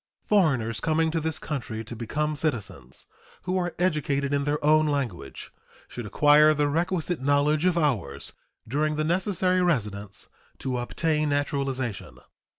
Foreigners coming to this country to become citizens, who are educated in their own language, should acquire the requisite knowledge of ours during the necessary residence to obtain naturalization.